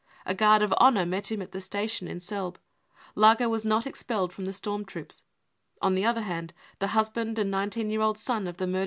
A guard of honour met him at the station in Selh Lager was not expelled from the storm troom On the o er and, the husband and nineteen year old son of the ^S™TS..